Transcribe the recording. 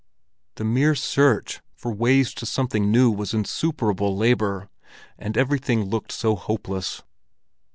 The mere search for ways to something new was insuperable labor, and everything looked so hopeless.